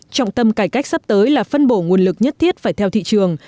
trọng tâm cải cách sắp tới là phân bổ nguồn lực nhất thiết phải theo thị trường